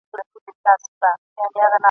چي راجلا یم له شنو سیندونو ..